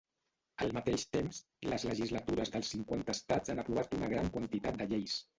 Al mateix temps, les legislatures dels cinquanta estats han aprovat una gran quantitat de lleis.